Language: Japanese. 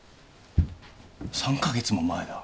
３カ月も前だ。